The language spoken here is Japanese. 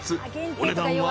お値段は］